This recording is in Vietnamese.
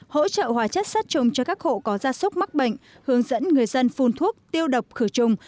hỗ trợ hóa chất sát trùng cho các hộ có gia súc mắc bệnh hướng dẫn người dân phun thuốc tiêu độc khử trùng